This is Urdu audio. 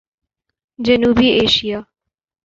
جنوبی ایشیا